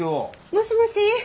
もしもし。